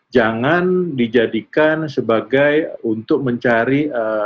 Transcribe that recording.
jangan dijadikan sebagai untuk mencari